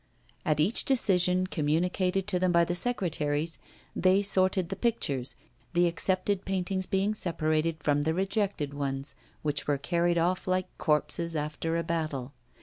At each decision communicated to them by the secretaries, they sorted the pictures, the accepted paintings being separated from the rejected ones, which were carried off like corpses after a battle.